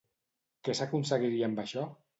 Què s'aconseguiria amb això?